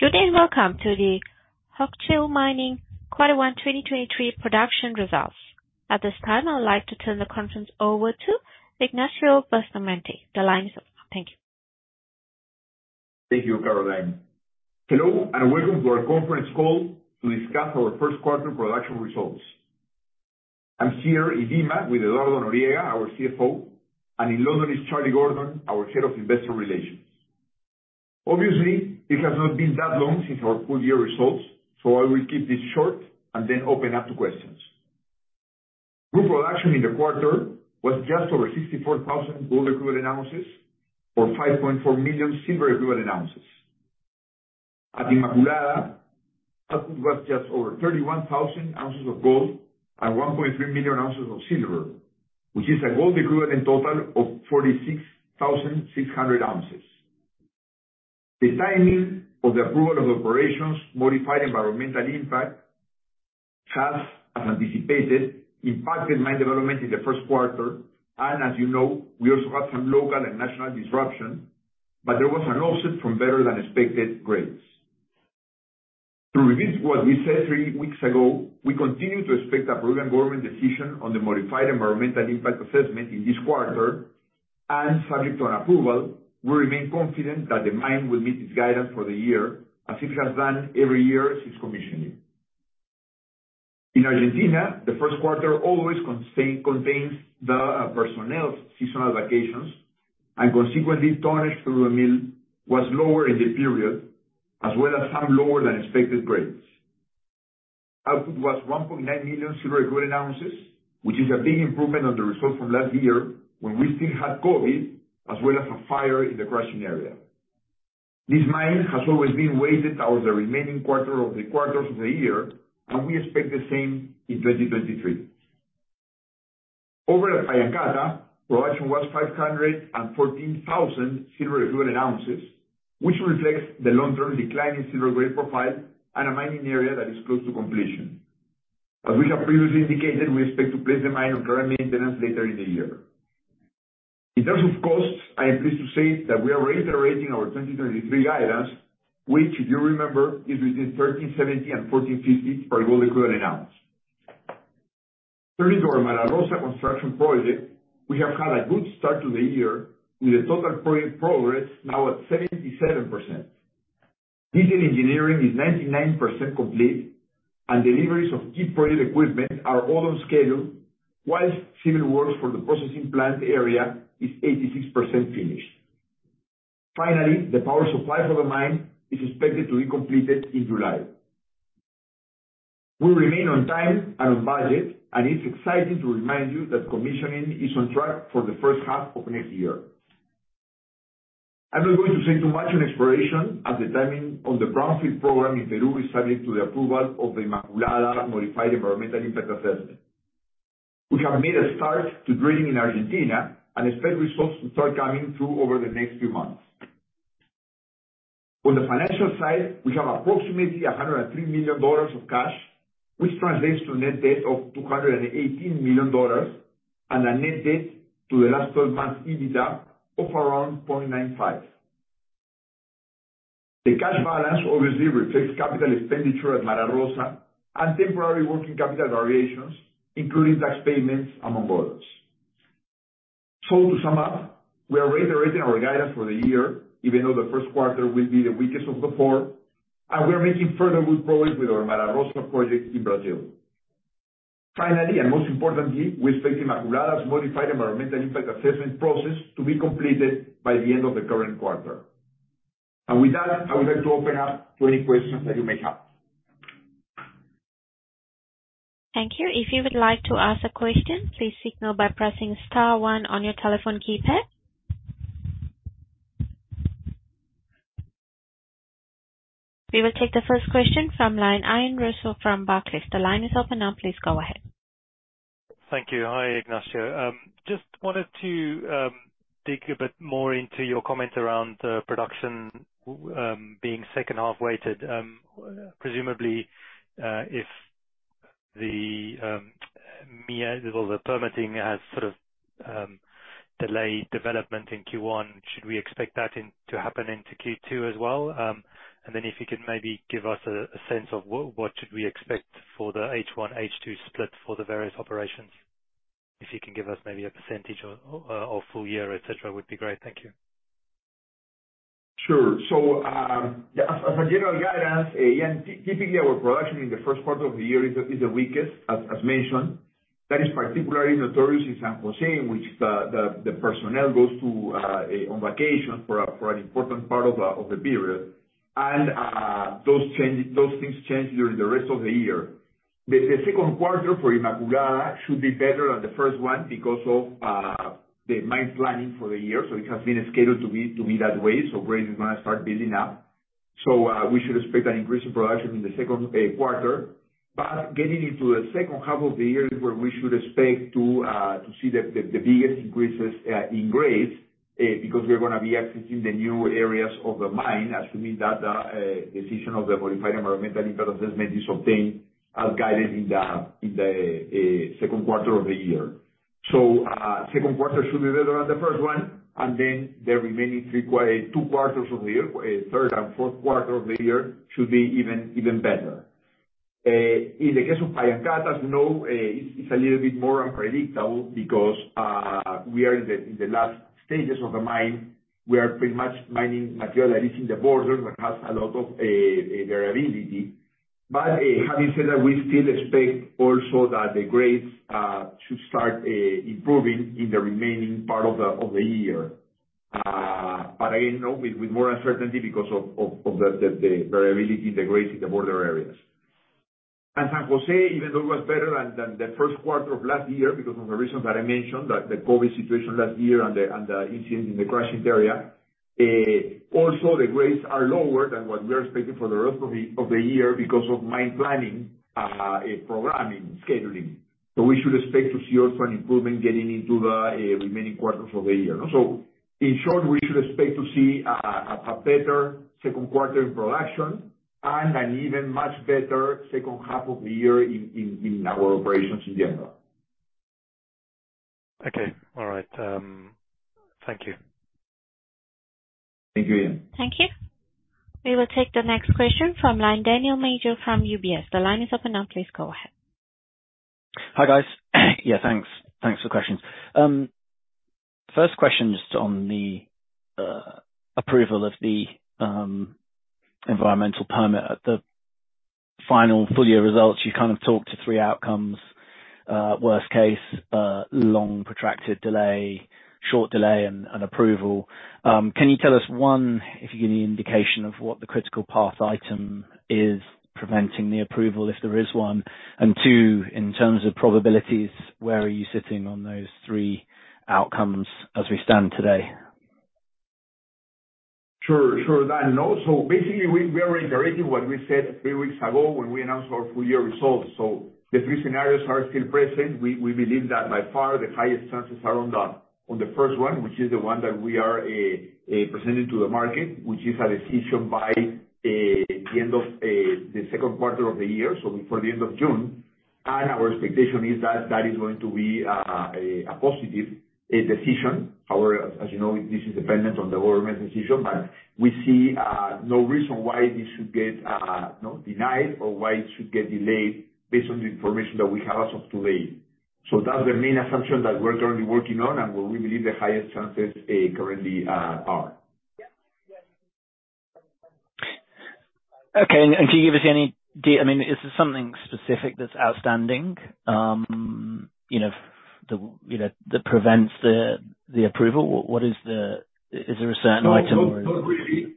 Good day and welcome to the Hochschild Mining Quarter One 2023 Production Results. At this time, I would like to turn the conference over to Ignacio Bustamante. The line is open. Thank you. Thank you, Caroline. Hello, welcome to our conference call to discuss our first quarter production results. I'm here in Lima with Eduardo Noriega, our CFO, and in London is Charlie Gordon, our Head of Investor Relations. Obviously, it has not been that long since our full year results, I will keep this short and then open up to questions. Group production in the quarter was just over 64,000 gold equivalent ounces or 5.4 million silver equivalent ounces. At Inmaculada, output was just over 31,000 ounces of gold and 1.3 million ounces of silver, which is a gold equivalent in total of 46,600 ounces. The timing of the approval of operations Modified Environmental Impact has, as anticipated, impacted mine development in the first quarter. As you know, we also have some local and national disruption, but there was an offset from better than expected grades. To repeat what we said three weeks ago, we continue to expect a Peruvian government decision on the Modified Environmental Impact Assessment in this quarter. Subject to an approval, we remain confident that the mine will meet its guidance for the year as it has done every year since commissioning. In Argentina, the first quarter always contains the personnel's seasonal vacations and consequently tonnage through the mill was lower in the period as well as some lower than expected grades. Output was 1.9 million silver equivalent ounces, which is a big improvement on the results from last year when we still had COVID as well as a fire in the crushing area. This mine has always been weighted towards the remaining quarter of the quarters of the year. We expect the same in 2023. Over at Pallancata, production was 514,000 silver equivalent ounces, which reflects the long-term decline in silver grade profile and a mining area that is close to completion. As we have previously indicated, we expect to place the mine on care and maintenance later in the year. In terms of costs, I am pleased to say that we are reiterating our 2023 guidance, which if you remember is within $1,370 and $1,450 per gold equivalent ounce. Turning to our Mara Rosa construction project, we have had a good start to the year with the total project progress now at 77%. Detail engineering is 99% complete and deliveries of key project equipment are all on schedule, whilst civil works for the processing plant area is 86% finished. Finally, the power supply for the mine is expected to be completed in July. We remain on time and on budget, and it's exciting to remind you that commissioning is on track for the first half of next year. I'm not going to say too much on exploration as the timing on the brownfield program in Peru is subject to the approval of the Inmaculada Modified Environmental Impact Assessment. We have made a start to drilling in Argentina and expect results to start coming through over the next few months. On the financial side, we have approximately $103 million of cash, which translates to net debt of $218 million and a net debt to the last twelve months EBITDA of around 0.95. The cash balance obviously reflects capital expenditure at Mara Rosa and temporary working capital variations, including tax payments among others. To sum up, we are reiterating our guidance for the year, even though the first quarter will be the weakest of the four and we are making further good progress with our Mara Rosa project in Brazil. Finally, and most importantly, we expect Inmaculada's Modified Environmental Impact Assessment process to be completed by the end of the current quarter. With that, I would like to open up to any questions that you may have. Thank you. If you would like to ask a question, please signal by pressing star one on your telephone keypad. We will take the first question from line Ian Rossouw from Barclays. The line is open now, please go ahead. Thank you. Hi, Ignacio. Just wanted to dig a bit more into your comment around production being second half weighted. Presumably, if the MEIA or the permitting has sort of delayed development in Q1, should we expect that to happen into Q2 as well? If you could maybe give us a sense of what should we expect for the H1, H2 split for the various operations? If you can give us maybe a % or full year, et cetera, would be great. Thank you. Sure. As a general guidance, Ian, typically our production in the first quarter of the year is the weakest as mentioned. That is particularly notorious in San Jose, which the personnel goes to on vacation for an important part of the period. Those change, those things change during the rest of the year. The second quarter for Inmaculada should be better than the first one because of the mine planning for the year. It has been scheduled to be that way. Grade is gonna start building up. We should expect an increase in production in the second quarter. Getting into the second half of the year is where we should expect to see the biggest increases in grades, because we're gonna be accessing the new areas of the mine, assuming that decision of the Modified Environmental Impact Assessment is obtained as guided in the second quarter of the year. Second quarter should be better than the first one, and then the remaining two quarters of the year, third and fourth quarter of the year should be even better. In the case of Pallancata, as you know, it's a little bit more unpredictable because we are in the last stages of the mine. We are pretty much mining material that is in the border, that has a lot of variability. Having said that, we still expect also that the grades should start improving in the remaining part of the year. Again, you know, with more uncertainty because of the variability, the grades in the border areas. San Jose, even though it was better than the first quarter of last year because of the reasons that I mentioned, the COVID situation last year and the incident in the crushing area, also the grades are lower than what we are expecting for the rest of the year because of mine planning, programming, scheduling. We should expect to see also an improvement getting into the remaining quarters of the year. In short, we should expect to see a better second quarter in production and an even much better second half of the year in our operations in general. Okay. All right, thank you. Thank you. Thank you. We will take the next question from line, Daniel Major from UBS. The line is open now, please go ahead. Hi, guys. Yeah, thanks. Thanks for questions. First question just on the approval of the environmental permit. At the final full year results, you kind of talked to three outcomes, worst case, long protracted delay, short delay and approval. Can you tell us, one, if you give any indication of what the critical path item is preventing the approval, if there is one? Two, in terms of probabilities, where are you sitting on those three outcomes as we stand today? Basically, we are reiterating what we said three weeks ago when we announced our full year results. The three scenarios are still present. We believe that by far the highest chances are on the first one, which is the one that we are presenting to the market, which is a decision by the end of the second quarter of the year, before the end of June. Our expectation is that that is going to be a positive decision. However, as you know, this is dependent on the government decision. We see no reason why this should get, you know, denied or why it should get delayed based on the information that we have as of today. That's the main assumption that we're currently working on and what we believe the highest chances, currently, are. Okay. Can you give us any I mean, is there something specific that's outstanding, you know, the, you know, that prevents the approval? Is there a certain item? No, not really.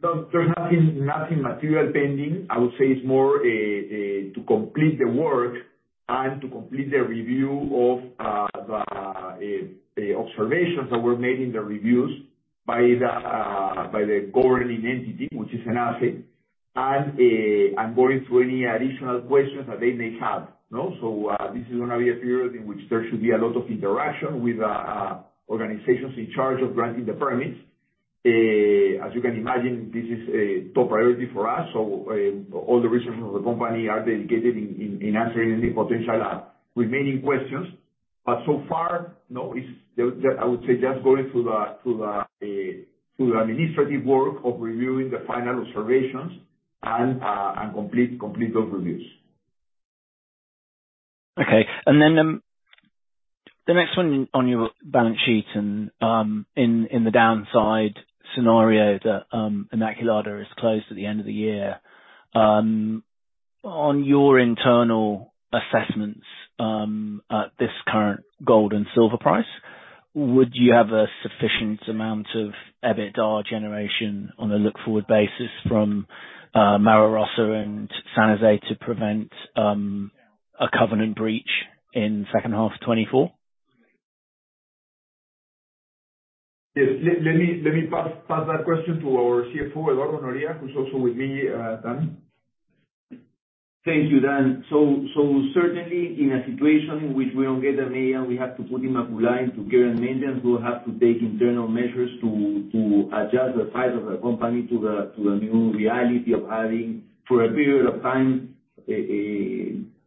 There's nothing material pending. I would say it's more to complete the work and to complete the review of the observations that were made in the reviews by the by the governing entity, which is SENACE. Going through any additional questions that they may have. You know. This is gonna be a period in which there should be a lot of interaction with organizations in charge of granting the permits. As you can imagine, this is a top priority for us. All the resources of the company are dedicated in answering any potential remaining questions. So far, no, it's just, I would say just going through the administrative work of reviewing the final observations and complete those reviews. Okay. The next one on your balance sheet and, in the downside scenario that Inmaculada is closed at the end of the year, on your internal assessments, at this current gold and silver price, would you have a sufficient amount of EBITDA generation on a look-forward basis from Mara Rosa and San Jose to prevent a covenant breach in second half 2024? Yes. Let me pass that question to our CFO, Eduardo Noriega who's also with me, Daniel. Thank you, Daniel. Certainly in a situation in which we don't get the MEIA and we have to put in Inmaculada on care and mainatenance we'll have to take internal measures to adjust the size of the company to the new reality of having, for a period of time,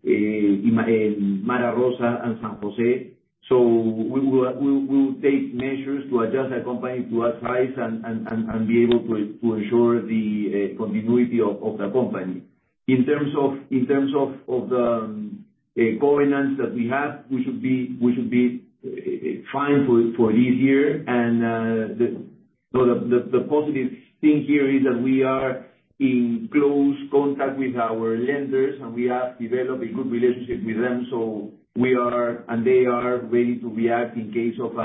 Mara Rosa and San Jose. We will take measures to adjust the company to that size and be able to ensure the continuity of the company. In terms of the governance that we have, we should be fine for this year. The positive thing here is that we are in close contact with our lenders, and we have developed a good relationship with them. We are, and they are ready to react in case of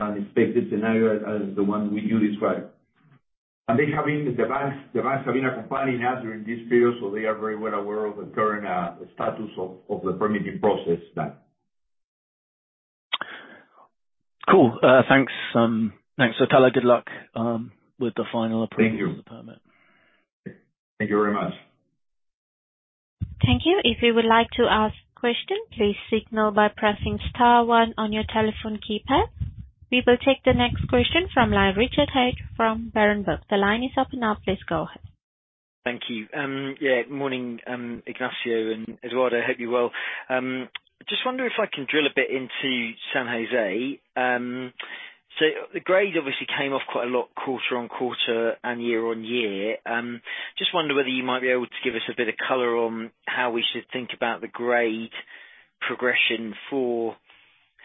unexpected scenario as the one we do describe. They have been the banks have been accompanying us during this period, so they are very well aware of the current status of the permitting process done. Cool. thanks. tell her good luck, with the final approval. Thank you. of the permit. Thank you very much. Thank you. If you would like to ask question, please signal by pressing star one on your telephone keypad. We will take the next question from line, Richard Hatch from Berenberg. The line is open now. Please go ahead. Thank you. Yeah, morning, Ignacio and Eduardo. Hope you're well. Just wonder if I can drill a bit into San Jose. The grade obviously came off quite a lot quarter-on-quarter and year-on-year. Just wonder whether you might be able to give us a bit of color on how we should think about the grade progression for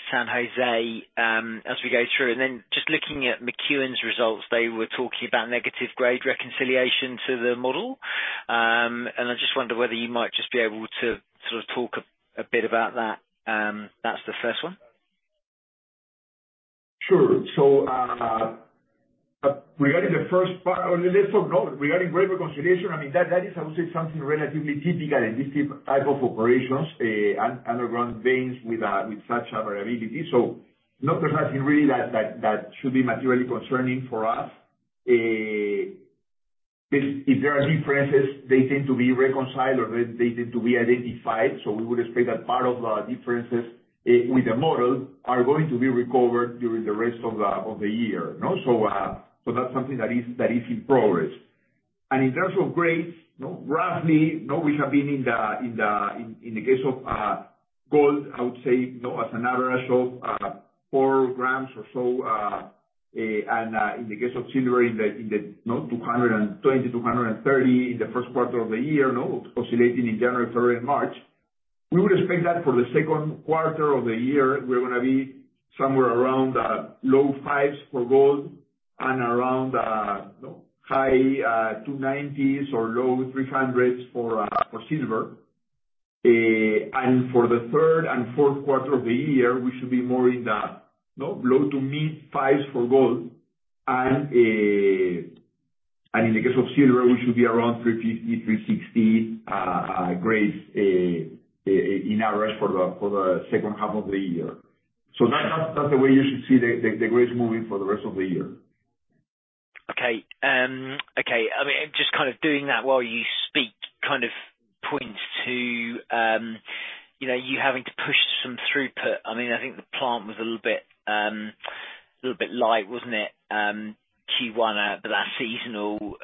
San Jose as we go through. Then just looking at McEwen's results, they were talking about negative grade reconciliation to the model. I just wonder whether you might just be able to sort of talk a bit about that. That's the first one. Sure. Regarding the first part or the first one, regarding grade reconciliation, I mean that is obviously something relatively typical in this type of operations, underground veins with such variability. Nothing really that should be materially concerning for us. If there are differences, they tend to be reconciled, or they tend to be identified. We would expect that part of the differences with the model are going to be recovered during the rest of the year. You know? That's something that is in progress. In terms of grades, you know, roughly, you know, we have been in the case of gold, I would say, you know, as an average of 4 grams or so, and in the case of silver, you know, 220, 230 in the first quarter of the year, you know, oscillating in January, February and March. We would expect that for the second quarter of the year, we're gonna be somewhere around low 5s for gold and around high 290s or low 300s for silver. For the third and fourth quarter of the year, we should be more in the, you know, low to mid fives for gold and in the case of silver, we should be around 350, 360 grades in average for the second half of the year. That's the way you should see the grades moving for the rest of the year. Okay. Okay. I mean, just kind of doing that while you speak kind of points to, you know, you having to push some throughput. I mean, I think the plant was a little bit, little bit light, wasn't it, Q1? That's seasonal.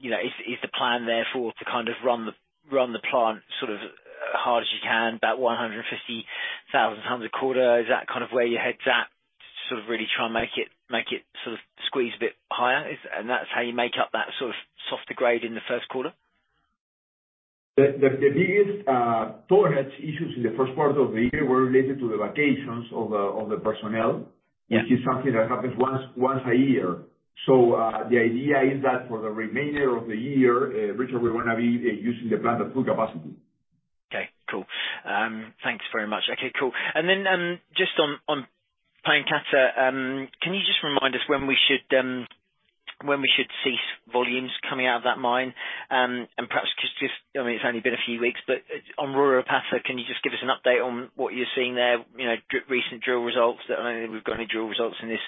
You know, is the plan therefore to kind of run the plant sort of as hard as you can, about 150,000 tons a quarter? Is that kind of where your head's at to sort of really try and make it sort of squeeze a bit higher? That's how you make up that sort of softer grade in the first quarter? The biggest toilets issues in the first quarter of the year were related to the vacations of the personnel. Yeah. Which is something that happens once a year. The idea is that for the remainder of the year, Richard, we're gonna be using the plant at full capacity. Okay, cool. Thanks very much. Okay, cool. Just on Pallancata, can you just remind us when we should, when we should see volumes coming out of that mine? Perhaps just, I mean, it's only been a few weeks, but, on Royropata, can you just give us an update on what you're seeing there? You know, recent drill results that... I don't think we've got any drill results in this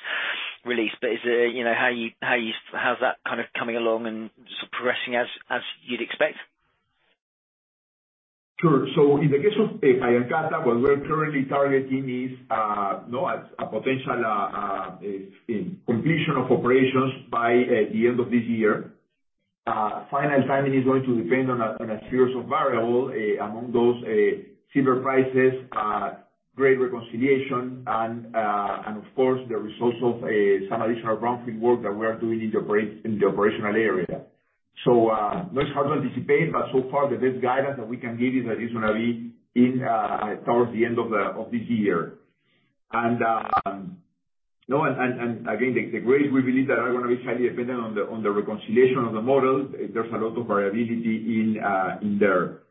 release. Is there, you know, how's that kind of coming along and suppressing as you'd expect? Sure. In the case of Pallancata, what we're currently targeting is, you know, a potential completion of operations by the end of this year. Final timing is going to depend on a series of variable, among those, silver prices, grade reconciliation and of course the results of some additional ramping work that we are doing in the operational area. Much harder to anticipate, but so far the best guidance that we can give is additionally in towards the end of this year. You know, again, the grade we believe that are gonna be highly dependent on the reconciliation of the models. There's a lot of variability in there.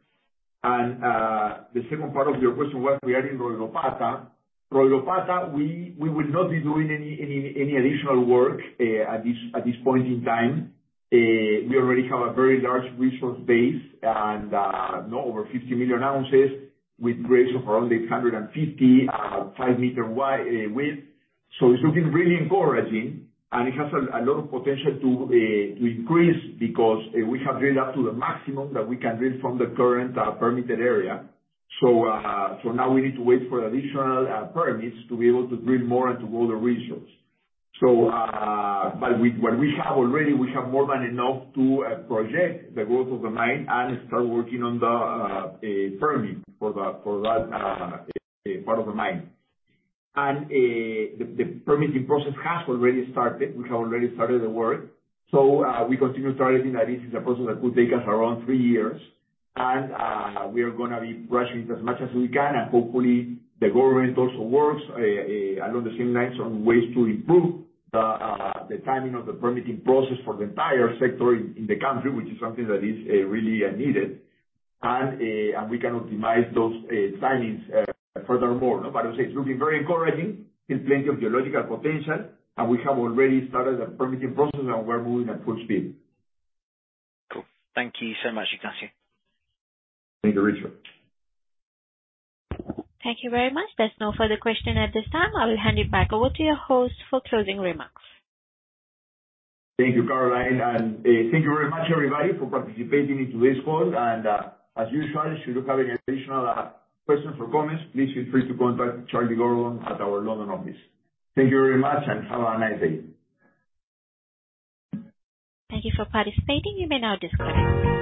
The second part of your question was, where are we in Royropata? Royropata, we will not be doing any additional work at this point in time. We already have a very large resource base and, you know, over 50 million ounces with grades of around 850, 5 meter wide width. It's looking really encouraging and it has a lot of potential to increase because we have drilled up to the maximum that we can drill from the current permitted area. Now we need to wait for additional permits to be able to drill more into other regions. What we have already, we have more than enough to project the growth of the mine and start working on the permit for the, for that part of the mine. The permitting process has already started. We have already started the work. We continue targeting that. This is a process that could take us around three years. We are gonna be rushing as much as we can and hopefully the government also works along the same lines on ways to improve the timing of the permitting process for the entire sector in the country, which is something that is really needed. We can optimize those timings furthermore. I would say it's looking very encouraging. There's plenty of geological potential, and we have already started the permitting process and we're moving at full speed. Cool. Thank you so much, Ignacio. Thank you, Richard. Thank you very much. There is no further question at this time. I will hand it back over to your host for closing remarks. Thank you, Caroline. Thank you very much everybody for participating in today's call. As usual, should you have any additional questions or comments, please feel free to contact Charlie Gordon at our London office. Thank you very much and have a nice day. Thank you for participating. You may now disconnect.